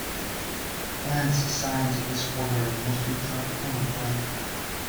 Plants assigned to this order are mostly tropical or aquatic.